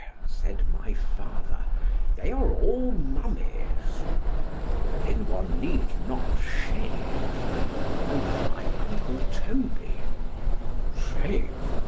said my father—they are all mummies——Then one need not shave; quoth my uncle Toby——Shave!